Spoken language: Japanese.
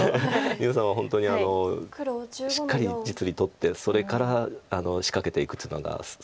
牛さんは本当にしっかり実利取ってそれから仕掛けていくっていうのが好きですよね。